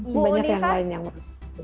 sebanyak yang lain yang menurut saya